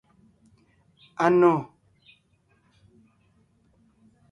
Anò.